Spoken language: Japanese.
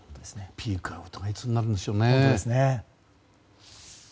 ピークアウトはいつになるんでしょうね。